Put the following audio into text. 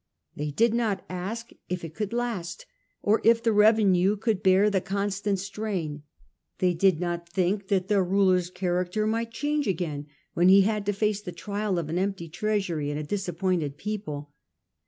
They did not ask if it could last, or if the revenue could bear the constant strain ; they did not think that their ruler's character might change again when he had to face the trial of an empty treasury and a disappointed people.